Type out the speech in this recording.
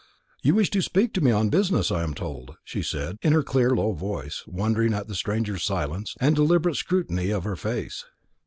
"You wish to speak to me on business, I am told," she said, in her clear low voice, wondering at the stranger's silence and deliberate scrutiny of her face.